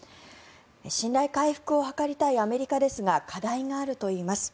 信頼回復を図りたいアメリカですが課題があるといいます。